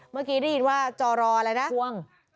เมื่อกี้ได้ยินว่าจอรออะไรนะทวง